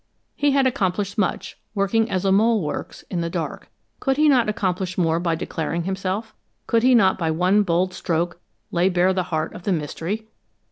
He had accomplished much, working as a mole works, in the dark. Could he not accomplish more by declaring himself; could he not by one bold stroke lay bare the heart of the mystery?